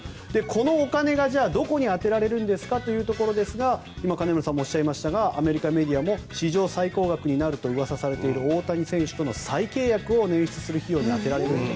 このお金がどこに充てられるんですか？というところですが今、金村さんもおっしゃいましたがアメリカメディアも史上最高額になると噂されている大谷選手との再契約を捻出する費用に充てられると。